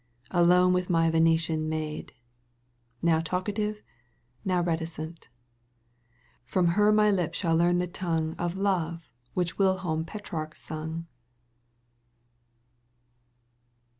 Alone with my Venetian maid, Now talkative, now reticent ; From her my lips shall learn the tongue Of love which whQom Petrarch sung.